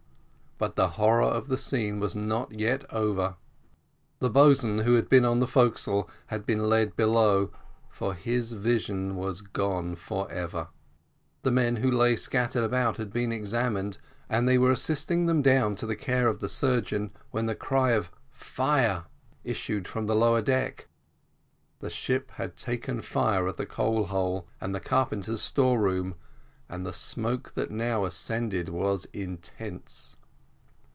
But the horror of the scene was not yet over. The boatswain, who had been on the forecastle, had been led below, for his vision was gone for ever. The men who lay scattered about had been examined, and they were assisting them down to the care of the surgeon, when the cry of "Fire!" issued from the lower deck. The ship had taken fire at the coal hole and carpenter's storeroom, and the smoke that now ascended was intense.